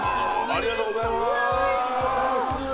ありがとうございます